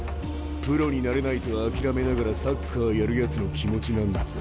プロになれないと諦めながらサッカーやるやつの気持ちなんて。